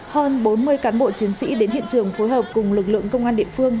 hơn bốn mươi cán bộ chiến sĩ đến hiện trường phối hợp cùng lực lượng công an địa phương